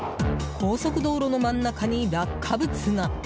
高速道路の真ん中に落下物が。